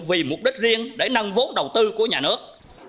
vì mục đích riêng để nâng vốn đầu tư của nhà nước